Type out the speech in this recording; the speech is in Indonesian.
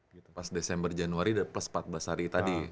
karena di januari ada plus empat belas hari tadi